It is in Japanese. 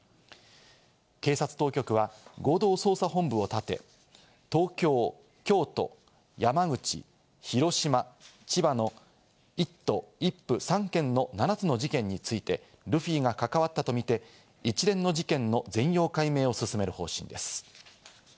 警察当局は合同捜査本部を立て、東京、京都、山口、広島、千葉の１都１府３県の７つの事件についてルフィが関わったとみて、一連の事件の全容解明を進める方針です。